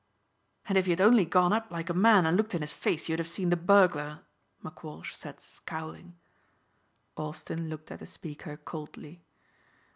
"And if you'd only gone up like a man and looked in his face you'd have seen the burglar," McWalsh said scowling. Austin looked at the speaker coldly.